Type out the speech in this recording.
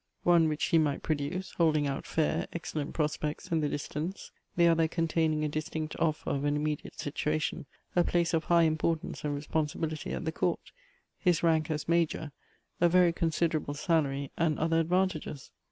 — one which he might pro Elective Affinities. 117 duce, holding out fair, excellent prospects in the dis tance ; the other containing a distinct offer of an imme diate situation, a place of high importance and responsi bility at the Court, his rank as Major, a very considerable salary, and other advantages.